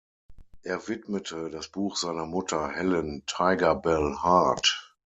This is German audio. Er widmete das Buch seiner Mutter Helen „Tiger Belle“ Hart.